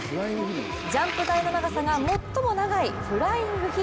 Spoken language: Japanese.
ジャンプ台の長さが最も長いフライングヒル。